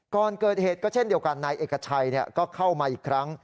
ก่อนเกิดเหตุก็เช่นเดียวกันนายเอกชัยก็เข้ามาอีกครั้ง